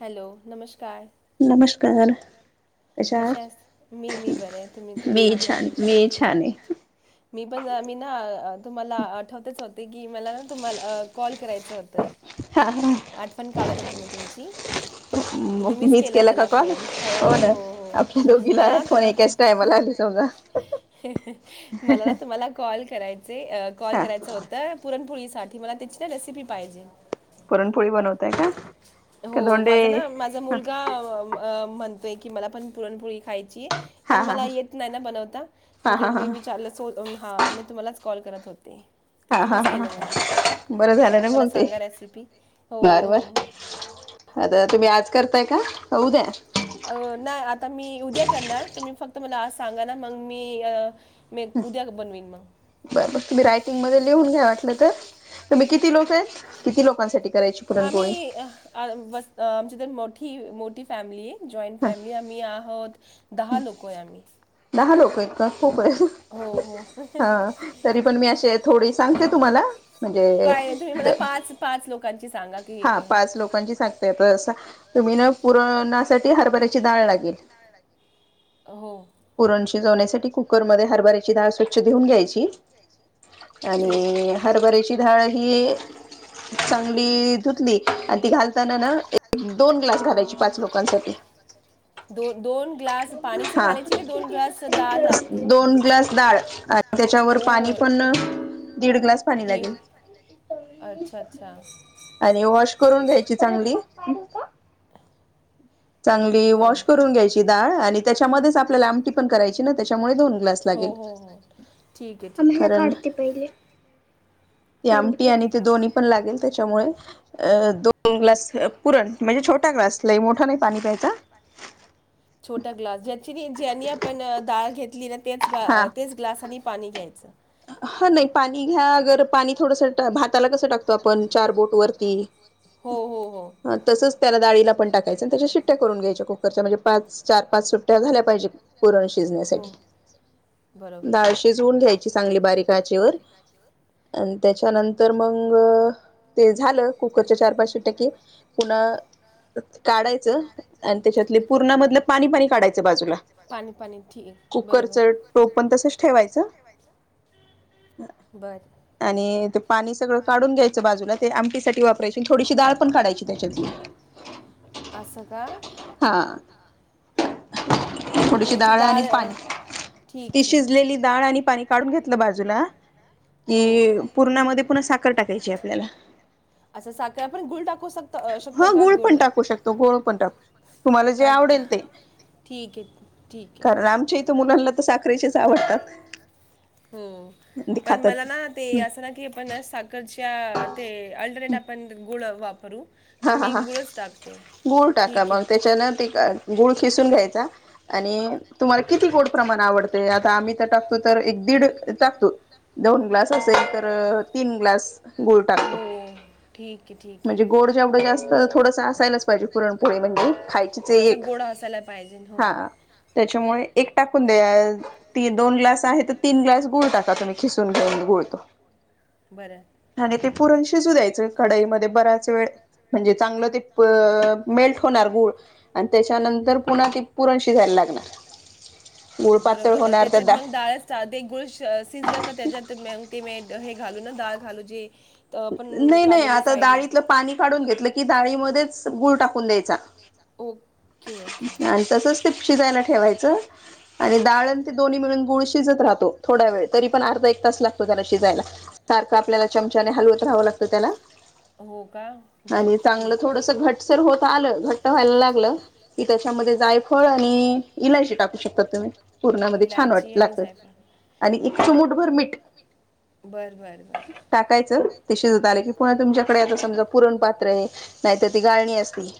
Hello नमस्कार. कशा मी मी बरं आहे. तुम्ही तुम्ही सांगा? मी पण मी ना तुम्हाला आठवतेच होते की मला ना तुम्हाला कॉल करायचं होतं. आठवण काढत होती मी तुमची मीच केला का कॉल हो ना आपल्या दोघीला फोन एकाच टायमाला आली स हो का मला ना तुम्हाला कॉल क कॉल करायच होत पुरणपोळी साठी मला त्याची ना रेसिपी पाहिजे पुरणपोळी बनवताय का हो माझा ना माझा मुलगा म्हणतोय की मला पण पुरणपोळी खायची आहे पण मला येत नाही ना बनवता मी मी विचारलं सो हां मी तुम्हालाच कॉल करत होते तर तुम्हीच केलं म्हणा मला सांगा रेसिपी हो आता तुम्ही आज नाही आता मी उद्या करणार तुम्ही फक्त मला सांगा ना मग मी मी उद्या बनवीन मग तुम्ही रायटिंग मध्ये लिहून घ्या वाटलं तर तुम्ही किती लोक आहेत किती लोकांसाठी आम्ही आमची तर मोठी मोठी फॅमिली आहे जॉंट फॅमलीी आ्ही आहत दहा लोकय आम्ही हा लोक खकय ह तरी पण मी असे थोडी सांगते तुम्हाला म्हणजे हा पाच लोकांची सांगतेय तर असं तुम्ही ना पुरणासाठी हरभऱ्याची डाळ लागेल हो पुरण शिजवण्यासाठी कुकरमध्ये हरभऱ्याची डाळ स्वच्छ ेऊन घ्यायची आणि हरभरीेची धाळ ही चांगली धुतली आणि ती घालताना ना दोन ग्लास घालायची पाच लोकांसाठी दो दोन ग्लास पाणीची खाण्याची की दोन ग्लास डाळ लागते त्याच्यावर पाणी पण दीड ग्लास पाणी लागेल अच्छा अच्छा करून घ्यायची चांगली चांगली वॉश करून घ्यायची डाळ आणि त्याच्यामध्येच आपल्याला आमटी पण करायची ना त्याच्यामुळे ोन हा ती आमटी आणि ते दोन्ही पण लागेल त्याच्यामुळे अ दोन ग्लास पुरण म्हणजे छोटा मोठं नाही पाणी प्यायचा छोटा ग्लास ज ज्यांनी आपण डाळ घेतली नाच ग्लास पाणी घ्यायचं हा नाही पाणी घ्या अगर पाणी थोडसं भाताला कसं टाकतो आपण चार बोट वरती ह तसच त्याला डाळीला पण टाकायच त्याच्या शिट्ट्या करून घ्यायच्या कुकरच्या म्हणजे पाच चार पाच सुट्ट्या झाल्या पाहिजे पुरण शिजण्यासाठी ाळ शिजवून घ्यायची चांगली बारीकचेवर आणि त्याच्यानंतर मग ते झालं कुकरच्या चार पाचशे टक्के पुन्हा काढायचं आणि त्याच्यातले पूर्णामधलं पाणी पाणी काढायचं बाजूला कुकरच टो पण तसच ठेवायचं आणि ते पाणी सगळं काढून घ्यायच बाजूला ते आमटीसाठीठी वापरायची थोडीशी ाळ पण काढायची त्याच्यात असग हा थोडीशी डाळ आणि पाणी ती शिजलेली डाळ आणि पाणी काढून घेतलं बाजूला की पूर्णामध्ये पुन्हा साखर टाकायची आपल्याला असं साकर आपण गुळ टाक हा गुळ पण टाकू शकतो गुळ पण टाकू शकतो तुम्हाला जे आवडेल ते ठीक आहे ठीक आहे मुलांना तर साखरेचेच आवडतात हो पण मला ना ते असं ना की आपण साखर त्या ते अल्टरनेट आपण गुळ वापरू हा हा हा गुळ टाका मग त्याच्यान गु खिसून घ्यायचा आणि तुम्हाला किती गोड प्रमाण आवडते आता आम्ही तर टाकतो तर एक दीड टाकतो दोन ग्लास असेल तर तीन ग्लास हो ठीक आहे ठीक आहे जास्त थोडसं असायलाच पाहिजे पुरणपोळी म्हणजे खायचेच आहे त्याच्यामुळे एक टाकून द दोन ग्लास आहे तर तीन ग्लास गुळ टाका तुम्ही खिसून घेऊन गुळ तो बरं पुरण शिजू द्यायचं कडाईमध्ये बराच वेळ म्हणजे चांगलं ते मेल्ट होणार गुळ आणि त्याच्यानंतर पुन्हा त पुरणशी झाली लागनार बरोबर त्याच्यात मग डाळ गुळ शिजल का त्याच्यात ते हे घालू ना दाळ घाल हो ज नाही नाही आता डाळीतलं पाणी काढून घेतलं की डाळीमध्ये ध्ये गुळ टाकून द्यायचा. ओके ओके शिजयला ठेवायचं. आणि दाळण ते दोन्ही मिळून गुळ शिजत राहतो थोडा वेळ तरी पण अर्धा एक तास लागतो त्याला शिजायला सारखं आपल्याला चमचाने हलवत राहावं लागतं त्याला आणि चांगलं थोडस घट सर होत आलं घट्ट व्हायला लागलं कि त्याच्यामध्ये जायफळ आणि इलायची टाकू शकता तुम्ही पूरणामध्ये छान वाटत लागत आणि एक चीमुटभर मीठ टाकायचं ते शिजत आलं की पुन्हा तुमच्याकडे आ समजा पुरणपात्र आहे नाहीतर ती गाळणी असती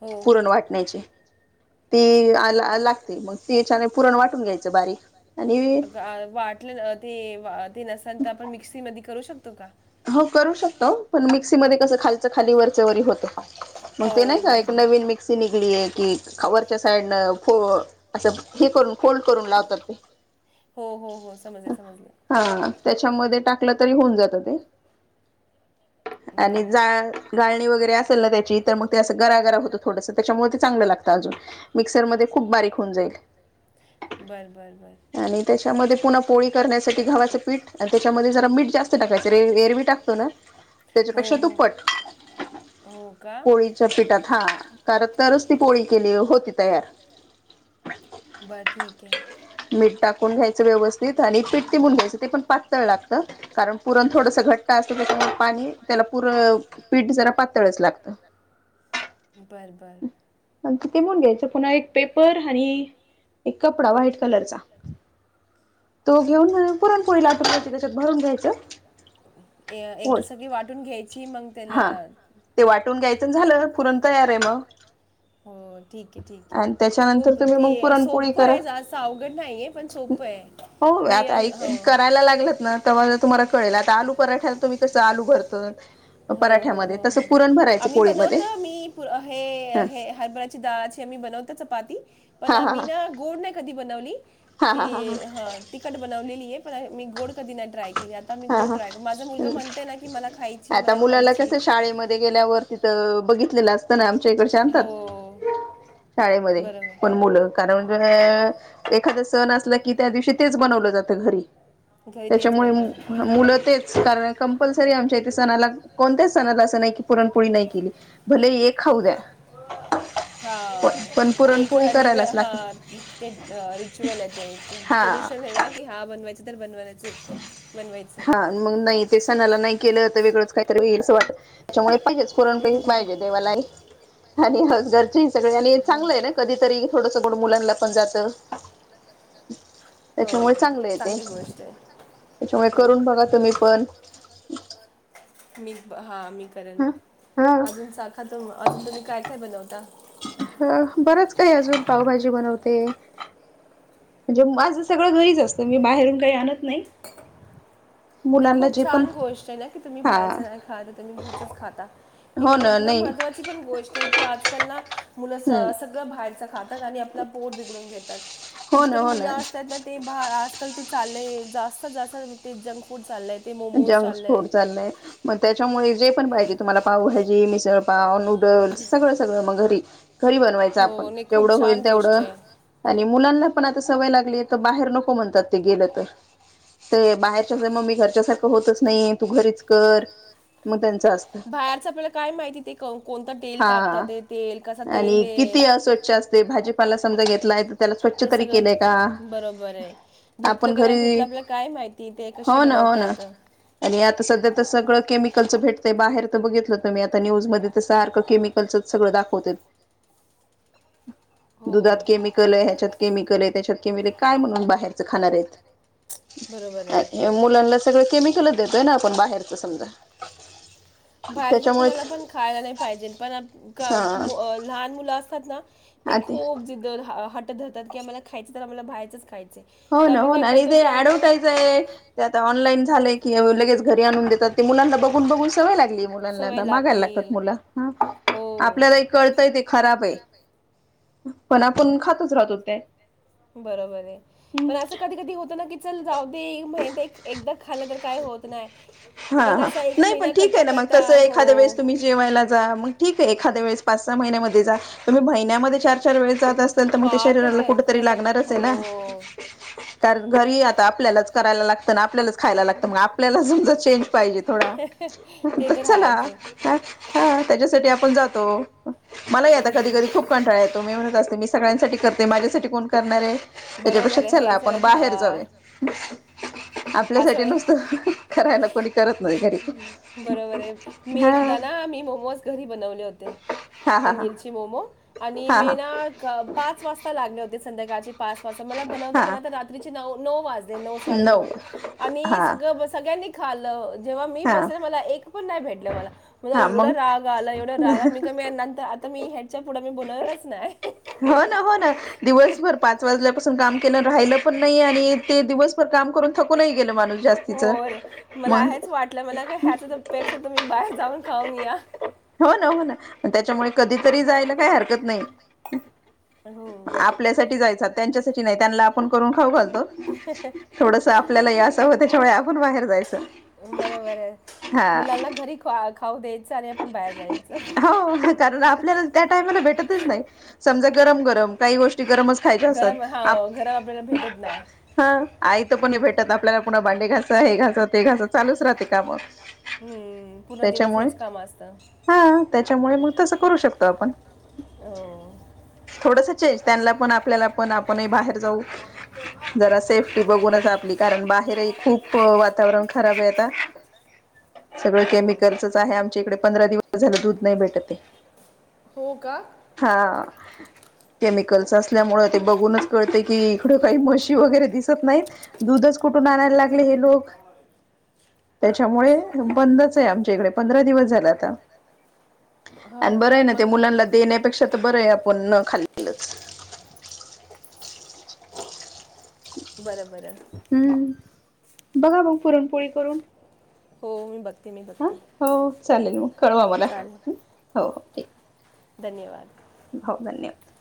हो हो ती लागते मग ती छान पुरण वाटून घ्यायचं बारीक अ वाटलं ते ते नसाल तर आपण मिक्सी मध्ये करू शकतो का करू शकतो पण मिक्सीमध्ये कसं खालच खाली वरच व होत मग ते नाही का एक नवीन मिक्सी निघली आहे कि वरच्या साईडन फ असं हे करून फोल्ड करून लावतात ते हो हो हो समजलं समजलं लं तरी होऊन जात ते आणि जा गाळणी वगैरे अस त्या तर मग ते असं गरा गरा होतं थोड त्याच्यामुळे ते चगलं लागंतं अजून मिक्सरमध्येध्ये खूप बारीक होऊन जाई [unintelligible] बरं बरं बर आणि त्याच्यामध्ये पुन्हा पोळी करण्यासाठी घवाचं पीठ आणि त्याच्यामध्ये जरा मीठ जास्त टाकायचं रे ए टाकतो ना त्याच्यापेक्षा दुप्पट पोळीच्या पिठात हा कारन तरच ती पोळी केली होती तयार [unintelligible] बरं ठीक आहे मीठ टाकून घ्यायचं व्यवस्थित आणि पीठ ती [inaudible] घ्यायचं ते पण पातळ लागतं कारण पुरण थोडस घट जास्त करुन पाणी त्याला पूरं पीठ जरा पातळच लागत. [inaudible] घ्यायचं पुन्हा एक पेपर आणि एक कपडा व्हाईट कलरचा. तो घेऊन पुरणपोळी लाटुन त्याच्यात भरून घ्यायचं. अ एकदा सगळी वाटून घ्यायची मग त्याला, वाटुन घ्यायचं झाल पुरण तयार आहे मग, हो ठीक आहे ठीक आहे खूप ते सोपं आहे जास्त अवघड नाहीये पण सोप. सोप हाय. हो आता करायला लागलत ना ते तुम्हाला कळेल. आलू पराठ्याला तुम्ही कसं आलू भरतत. हो हो हो हो आम्ही बनवतो. मी हे हे हरभरा डाळची मी बनवतो. चपाती पण आ मी ना गोड नाही कधी बनवली ते हा तिखट बनवलेली आहे. पण मी गोड कधी नाही ट्राय केली. आता मी गोड ट्राय कर माझा मुलगा म्हणतेय ना की मला खाय आता मुलाला कस शाळेमध्ये गेल्यावर तिथं बघितलेलं असतं ना, शाळेमध्ये पण मुलं कारण अ एखाद सण असला की त्या दिवशी तेच बनवलं जातं घरी, घरी तेच बनतं. मुलं तेच कारण, कंपल्सरी आमच्या इथे सणाला कोणत्याच सणा असं नाही पुरणपोळी नाही केली. भले एक [inaudible] हा ते एक नि हा ते रिच्युअल आहे ते इथ स्पेशल हाय ना कि हा, बनवायच तर बनवायचच. हा मग नाही ते सणाला नाही केलं तर वेगळंच काहीतरी वाटत त्याच्यामुळे पाहिजेच पुरणपोळी पाहिजे देवाला हि आणि ह घरचे ही सगळ्यांनी चांगलं आहे ना कधीतरी थोडस गोड मुलांना पण जात. हो चांगली गोष्ट आहे. करून बघा तुम्ही पण, मी हा, मी अजून सारख तु अजून तुम्ही काय काय बनवता? ते अजून पावभाजी बनवते. म्हणजे माझं सगळं घरीच असतं मी बाहेरून काही आणत नाही. ते खूप छान गोष्ट आहे ना की, तुम्ही बाहेरच नाही खात तुम्ही घरचच खाता. ही खूप ना महत्त्वाची पण गोष्ट आहे की, आजकाल ना मुलं सगळं बाहेरच खातात आणि आपलं पोट बिघडून घेतात. कितीतरी मुलं असतात ना ते आजकाल ते चाल जास्तात जास्त ते जं जंग फुड चालयं मग त्याच्यामुळे जे पण पाहिजे तुम्हाला पावभजी, मिसळ पाव नूडल्स सगळं सगळं मग घरी. घरी बनवायच आपण जेवढं होईल तेवढं आणि मुलांना पण आता सवय लागली. तर बाहेर नको म्हणतात ते गेलं तर ते बाहेरच्या मम्मी घरच्या होतच नाही तू घरीच कर मग बाहेरच आपल्याला काय माहिती ते कोणता तेल टाकतात ते तेल कसा तेल आहे. असते भाजीपाला समजा घेत त्याला स्वच्छ तरी केलंय का? धुतलं कय, धुतलं आपला काय माहिती ते कशी बनवतात. आणि आता सध्या तर सगळं केमिकलचं भेटतयं. बाहेर बघितलं तर मी आता न्यूज सारखं केमिकलच सगळं दाखवते. दुधात केमिकल आहे. ह्याच्यात केमिकल आहे. हेच्यात केमिकल काय म्हणून बाहेर खाणार आहेत. मुलांना सगळं केमिकलच देतोय ना आपण बाहेरच समजा, बाहेरच तर कुणाला पण खायला नाही पाहिजे. पण लहान मुलं असतात ना ते खूप जे हट धरतात कि आम्हाला खायचं तर आम्हाला बाहेरच खायचं. हो ना हो ना आणि तेे ऍडव्हटाईज आहे ते आता ऑनलाईन झालंय क. लगेच घरी आणून देतात ते मुलांना बघून बघून सवय लागली. मुलांना मागायला लागतात मुलं ह आपल्याला कळतंय ते खराब आहे. पण आपण खातोच राहत होते ह्. चल जाऊ दे मेहनत एकदा खालं तर काय होत नाही. हा हा नाही पण ठीक आहे ना मग तसं एखाद्या वेळेस तुम्ही जेवायला जा मग ठीक आहे एखाद्या वेळेस पाच. महिन्या मधे जा, तुम्ही महिन्यामध चार चार वेळा जात असताल तर शरीराला कुठ तरी लागणारच ना कारण घरी आता च करायला लागत न आपल्याच खायला लागतं मग आपल्याला समजा चेंज पाहिजे. थोडा चला त्याच्यासाठी आपण जातो. मलाही आता कधी कधी खूप कंटाळा येतो मी म्हणत असते मी सगळ्यांसाठी करते माझ्यासाठी कोण करणार आहे. त्याच्यापेक्षा चला आपण बाहेर जाऊया. आपल्यासाठी नुसतं करायला कोणी करत नाही घरी हा. ह मी मोमोज घरी बनवले होते. पनीरची मोमो आणि मेना पाच वाजता लागले होते. संध्याकाळचे पाच वाजता मला बनवता बनवता रात्रीचे न नऊ वाजले नऊ साडे नऊ. आणि सगळं सगळ्यांनी खालं जेव्हा मी बसले मला एक पण नाही भेट. मला एवढा राग आला एवढा राग आला मी क नंतर आता मी हेच्या पुढा मी बनवणारच नाही. हो ना हो ना दिवसभर पाच वाजल्यापासून काम केलं राहिलं पण नाही. आणि ते दिवसभर काम करून थकूनही गेल माणूस. होर मला हेच वाटलं मला का ह्याचपेक्षा तुम्ही बाहेर जाऊन खाऊन या. हो ना हो ना त्याच्यामुळे कधीतरी जायला काही हरकत नाही. आपल्यासाठी जायच त्यांच्यासाठी नाही त्यांना आपण करून खाऊ घालतो. थोडस आपल्याला हे असावं त्याच्यामुळे आपण बाहेर जायचं. बरोबर आहे मुलांना घरी ख खाऊ द्या. हो कारण आपल्याला त्या टाइम ला भेटतच नाही. समजा गरम गरम काही गोष्टी गरमच खायच्या असततात हा. आईत पण नाही भेटत आपल्याला पुन्हा भाडे घासा हे घास ते घास चालूच राहते काम. हम्म पूर्ण दिवस हेच काम असतं. त्यामुळे मग तसं करू शकतो आपण थोडासा. चेंज त्यांना पण आपल्याला पण आपण बाहेर. जाऊ. जरा सेप्टी बघूनच आपली कारण बाहेरही खूप. हो वातावरण खराब आहे आता सगळं केमिकलचच आहे आम. डे पंधरा दिवस झालं दूध नाही भेटते हा. केमिकल्स असल्यामुळे ते बघूनच कळते की इकड काही म्हशी वगैरे दिसत नाहीत दुधच कुठून आणायला लागले हे लोक. त्याच्यामुळे बंदच आहे आमच्या इकडे पंधरा दिवस. झाल आता आणि बर आहे मुलां देण्यापेक्षा तर बर आहे आपण न खालेल हच. [unintelligible] बर हम्म बघा बघू पुरणपोळी करून. हा हो चालेल मग कळवा मला. हो हो ठिक धन्यवाद. हो धन्यवाद!